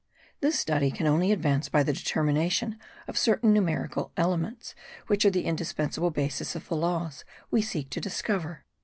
This study can only advance by the determination of certain numerical elements which are the indispensable basis of the laws we seek to discover.